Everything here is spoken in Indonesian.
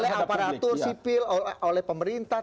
oleh aparatur sipil oleh pemerintah